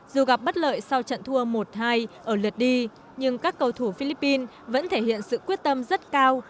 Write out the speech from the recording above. dù gặp bất lợi sau trận thua một hai ở lượt đi nhưng các cầu thủ philippines vẫn thể hiện sự quyết tâm rất cao